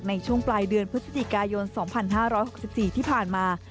ในช่วงปลายเดือนพฤศจิกายนสองพันห้าร้อยหกสิบสี่ที่ผ่านมา